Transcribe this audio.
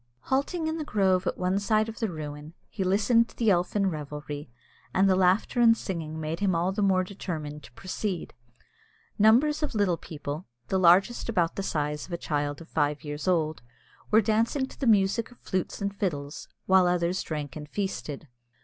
Halting in the grove at one side of the ruin, he listened to the elfin revelry, and the laughter and singing made him all the more determined to proceed. Numbers of little people, the largest about the size of a child of five years old, were dancing to the music of flutes and fiddles, while others drank and feasted.